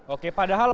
oke padahal pak